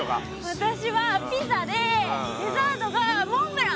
私はピザでデザートがモンブラン！